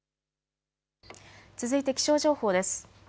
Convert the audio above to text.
続いて気象情報です。